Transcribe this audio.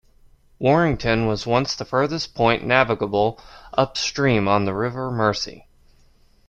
Warrington was once the furthest point navigable upstream on the River Mersey.